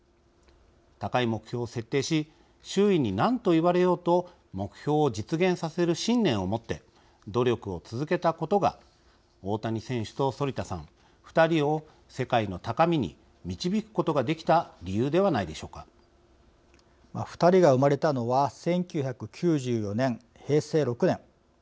高い目標を設定し周囲に何と言われようと目標を実現させる信念を持って努力を続けたことが大谷選手と反田さん２人を世界の高みに導くことができた２人が生まれたのは１９９４年、平成６年。